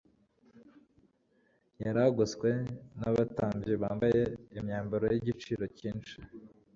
Yari agoswe n'abatambyi bambaye imyambaro y'igiciro cyinshi;